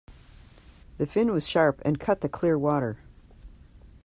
The fin was sharp and cut the clear water.